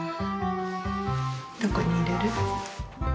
どこにいれる？